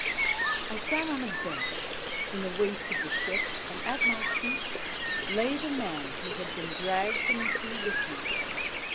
I sat on a bench in the waist of the ship, and at my feet lay the man who had been dragged from the sea with me.